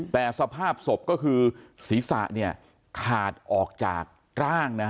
แต่สภาพศพก็คือศีรษะขาดออกจากร่างนะฮะ